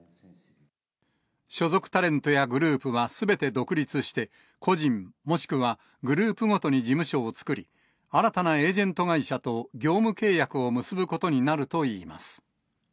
所属タレントやグループはすべて独立して、個人、もしくはグループごとに事務所を作り、新たなエージェント会社と業務契約を結ぶことになるといいます。